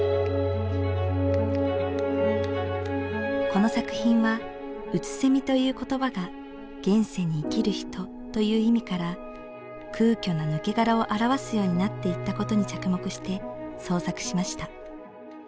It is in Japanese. この作品は空蝉という言葉が「現世に生きる人」という意味から「空虚な抜け殻」を表すようになっていったことに着目して創作しました。